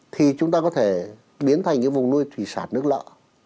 thì chúng ta có thể biến thành cái vùng nuôi thủy sản nước lợ